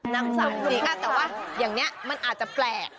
น้ำสั่งจริงอ่ะแต่ว่าอย่างนี้มันอาจจะแปลก